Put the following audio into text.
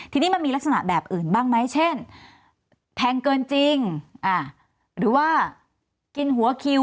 ทีนี้มันมีลักษณะแบบอื่นบ้างไหมเช่นแพงเกินจริงหรือว่ากินหัวคิว